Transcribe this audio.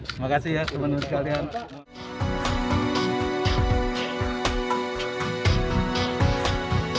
terima kasih ya teman teman sekalian